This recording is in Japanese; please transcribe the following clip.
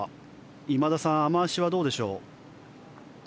今田さん、雨脚はどうでしょう？